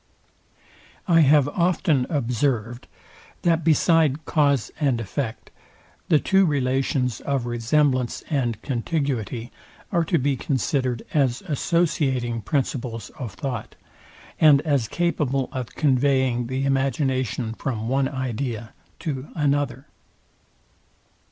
I have often observed, that, beside cause and effect, the two relations of resemblance and contiguity, are to be considered as associating principles of thought, and as capable of conveying the imagination from one idea to another.